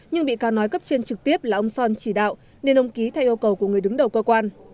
nhưng bị cáo nói cấp trên trực tiếp là ông son chỉ đạo nên ông ký thay yêu cầu của người đứng đầu cơ quan